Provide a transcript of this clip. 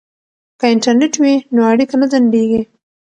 که انټرنیټ وي نو اړیکه نه ځنډیږي.